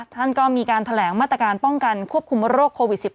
ท่านก็มีการแถลงมาตรการป้องกันควบคุมโรคโควิด๑๙